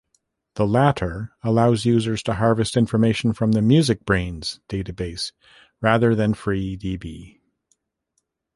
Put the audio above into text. The latter allows users to harvest information from the MusicBrainz database rather than freedb.